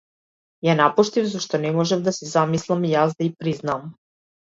Ја напуштив зашто не можев да си замислам и јас да и признаам.